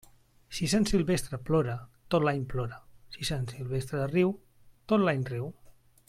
Si Sant Silvestre plora, tot l'any plora; si Sant Silvestre riu, tot l'any riu.